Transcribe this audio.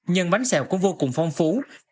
nhân bánh xèo cũng vô cùng phong phú